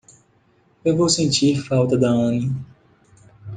Eu vou sentir falta da Annie.